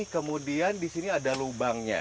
kemudian di sini ada lubangnya